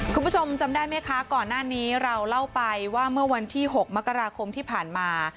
คุณผู้ชมจำได้ไหมคะก่อนหน้านี้เราเล่าไปว่าเมื่อวันที่๖มกราคมที่ผ่านมา